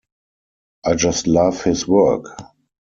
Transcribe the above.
I just love his work.